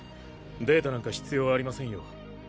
データなんか必要ありませんよ。